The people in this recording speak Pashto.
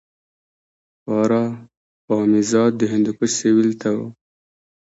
پاروپامیزاد د هندوکش سویل ته و